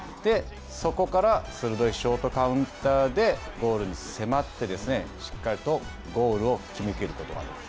そこから鋭いショートカウンターでゴールに迫ってですね、しっかりとゴールを決めきることができる。